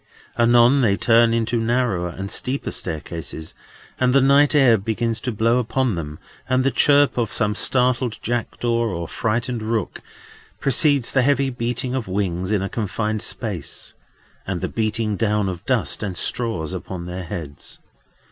Anon they turn into narrower and steeper staircases, and the night air begins to blow upon them, and the chirp of some startled jackdaw or frightened rook precedes the heavy beating of wings in a confined space, and the beating down of dust and straws upon their heads.